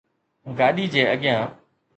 گاڏي جي اڳيان